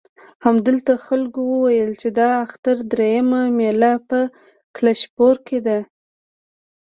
همدلته خلکو وویل چې د اختر درېیمه مېله په کلشپوره کې ده.